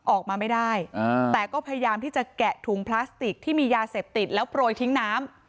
ออกมาไม่ได้แต่ก็พยายามที่จะแกะถุงพลาสติกที่มียาเสพติดแล้วโปรยทิ้งน้ำ